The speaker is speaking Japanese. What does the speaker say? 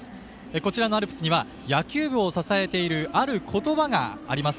こちらのアルプスには野球部を支えているある言葉があります。